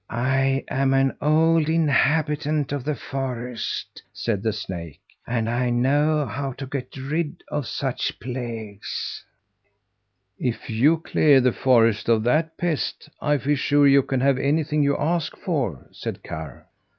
"I'm an old inhabitant of the forest," said the snake, "and I know how to get rid of such plagues." "If you clear the forest of that pest, I feel sure you can have anything you ask for," said Karr.